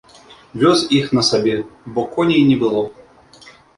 Вёз іх на сабе, бо коней не было.